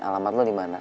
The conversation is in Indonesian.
alamat lo dimana